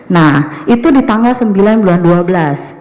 nah itu di tanggal sembilan bulan dua belas